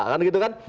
kan gitu kan